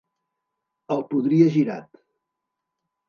El podria girat.